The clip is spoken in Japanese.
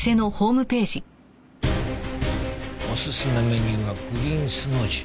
おすすめメニューはグリーンスムージー。